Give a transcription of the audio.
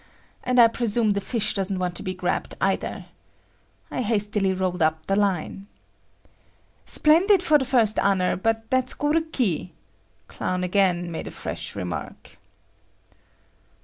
And I presume the fish doesn't want to be grabbed either. I hastily rolled up the line. "Splendid for the first honor, but that's goruki," Clown again made a "fresh" remark.